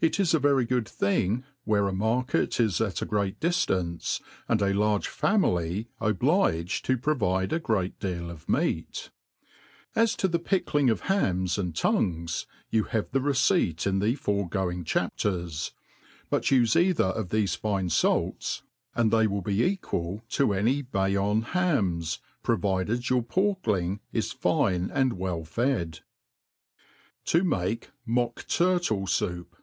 It is a very good thing where a market is at a great diftance, and a large family obliged to provide a great deal of meat. As to the pickling of hams and tongues^ you have the receipt in the' foregoing chapters ; but ufe either of thtfe fine falts, and A a they y 354 APPENDIX TO THE ART OF COOKERY. they will be equal to any Bayonne hams, prbvided yout pork<« ling is fine and well fed* Tff maki Mnk^Turtli Soup.